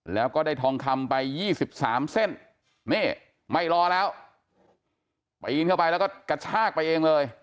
แล้วก็ได้ทองคำไป๒๓เส้นนี่ไม่รอแล้วปีนเข้าไปแล้วก็กระชากไปเองเลย